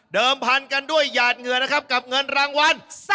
เดิมพันธ์กันด้วยหยาดเงินนะครับกับเงินรางวัล